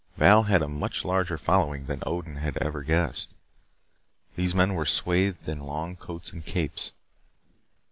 Val had a much larger following than Odin had ever guessed. These men were swathed in long coats and capes.